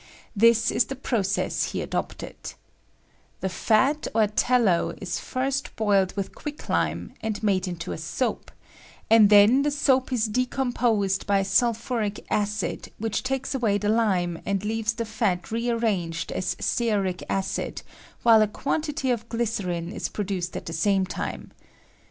This is the process he adopted :(^) The fat or tallow is fbst boQed with quick lime, and made into a soap, and then the soap is decomposed by sulphuric acid, which takes away the hme, and leaves the fat rear ranged as stearic acid, while a quantity of gly cerin is produced at the samo time.